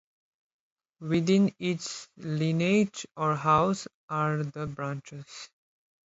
Within each lineage or House are the branches.